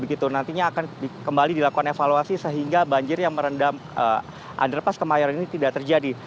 begitu nantinya akan kembali dilakukan evaluasi sehingga banjir yang merendam underpass kemayoran ini tidak terjadi